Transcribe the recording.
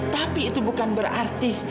tapi itu bukan berarti